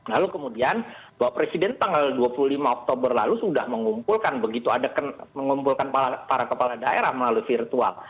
lalu kemudian bapak presiden tanggal dua puluh lima oktober lalu sudah mengumpulkan begitu ada mengumpulkan para kepala daerah melalui virtual